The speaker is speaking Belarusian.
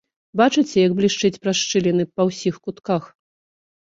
Бачыце, як блішчыць праз шчыліны па ўсіх кутках.